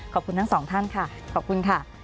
ขอบคุณทั้งสองท่านค่ะขอบคุณค่ะ